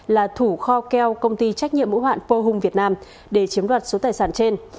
là thủ kho keo công ty trách nhiệm hữu hoạn pô hùng việt nam để chiếm đoạt số tài sản trên